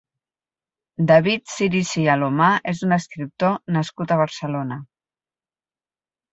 David Cirici i Alomar és un escriptor nascut a Barcelona.